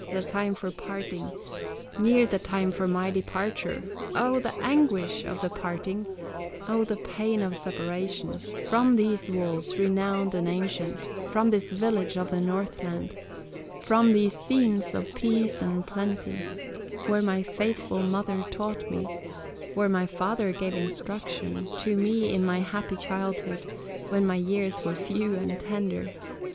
the time for parting, Near the time for my departure; O the anguish of the parting, O the pain of separation, From these walls renowned and ancient, From this village of the Northland, From these scenes of peace and plenty, Where my faithful mother taught me, Where my father gave instruction To me in my happy childhood, When my years were few and tender!